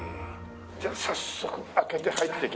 じゃあ早速開けて入っていきましょうかね。